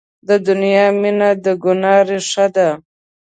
د دنیا مینه د ګناه ریښه ده.